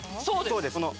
そうです